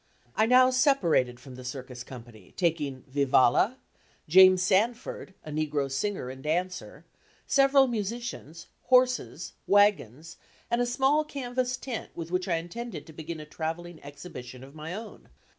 I now separated from the circus company, taking Vivalla, James Sanford, (a negro singer and dancer,) several musicians, horses, wagons, and a small canvas tent with which I intended to begin a travelling exhibition of my own.